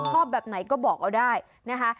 ชอบแบบไหนก็บอกเอาได้นะคะ